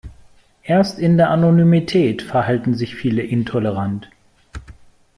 Erst in der Anonymität verhalten sich viele intolerant.